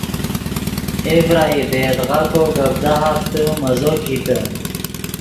اے ڤرائی دے یدغا کو گپ دہافتے مزو کیتے